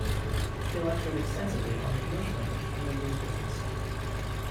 He lectured extensively on the English language and the news business.